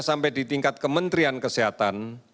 sampai di tingkat kementerian kesehatan